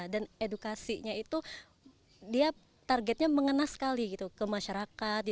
dan edukasinya itu dia targetnya mengenai sekali ke masyarakat